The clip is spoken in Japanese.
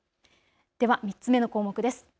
では３つ目の項目です。